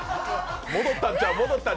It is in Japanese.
戻ったんちゃう？